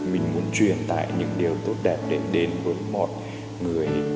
mình muốn truyền tải những điều tốt đẹp để đến với mọi người